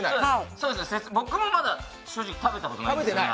僕もまだ正直、食べたことないです。